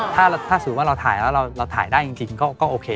ถ้าสิว่าเราถ่ายแล้วถ่ายได้อย่างจริงว่าก็โอเค